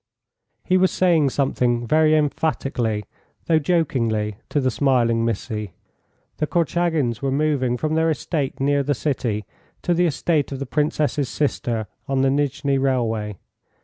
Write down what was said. He was saying something very emphatically, though jokingly, to the smiling Missy. The Korchagins were moving from their estate near the city to the estate of the Princess's sister on the Nijni railway.